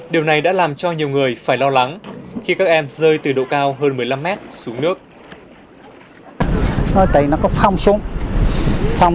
điều này đã làm cho nhiều người phải lo lắng khi các em rơi từ độ cao hơn một mươi năm m